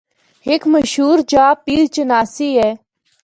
ہک مشہور جآ ’پیر چناسی‘ اے۔